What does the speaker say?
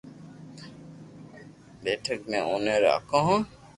ڀآٺڪ مي اوني راکو ھون